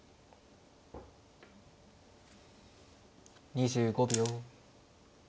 ２５秒。